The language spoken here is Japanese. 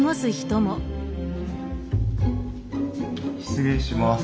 失礼します。